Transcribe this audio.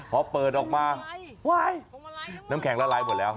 พอเปิดออกมาว้ายน้ำแข็งละลายหมดแล้ว